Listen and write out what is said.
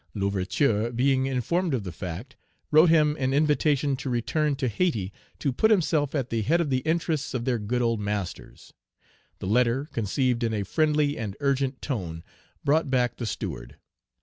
L'Ouverture, being informed of the fact, wrote him an invitation to return to Hayti, to put himself "at the head of the interests of their good old masters." The letter, conceived in a friendly and urgent tone, brought back the steward.